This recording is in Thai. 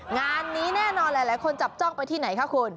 งานนี้แน่นอนหลายคนจับจ้องไปที่ไหนคะคุณ